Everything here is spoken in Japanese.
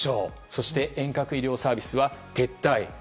そして、遠隔医療サービスは撤退。